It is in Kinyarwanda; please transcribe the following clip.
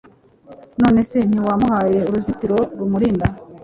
none se ntiwamuhaye uruzitiro rumurinda